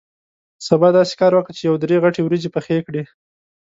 سبا داسې کار وکه چې یو درې غټې وریجې پخې کړې.